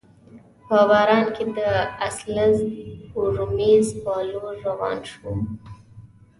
په باران کي د اسلز بورومیز په لور روان شوم.